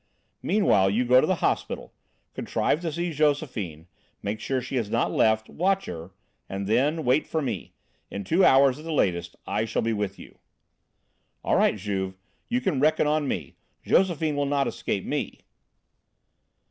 Meanwhile you go to the hospital. Contrive to see Josephine, make sure she has not left, watch her and then wait for me; in two hours, at the latest, I shall be with you." "All right, Juve, you can reckon on me. Josephine shall not escape me."